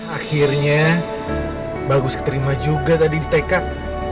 akhirnya bagus keterima juga tadi di tekad